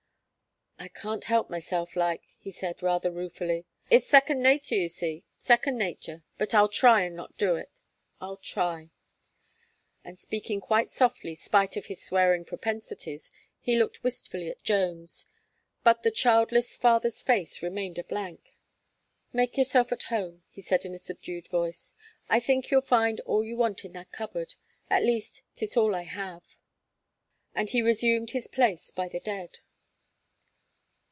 "I can't help myself like," he said, rather ruefully, "it's second natur, you see, second natur. But I'll try and not do it I'll try." And speaking quite softly, spite of his swearing propensities, he looked wistfully at Jones; but the childless father's face remained a blank. "Make yourself at home," he said in a subdued voice. "I think you'll find all you want in that cupboard, at least 'tis all I have." And he resumed his place by the dead.